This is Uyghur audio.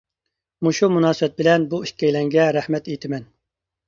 مۇشۇ مۇناسىۋەت بىلەن بۇ ئىككىيلەنگە رەھمەت ئېيتىمەن.